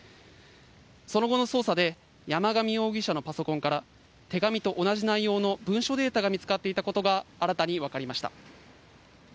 その後の捜査で、山上容疑者のパソコンから、手紙と同じ内容の文書データが見つかっていたことが新たに分かりました。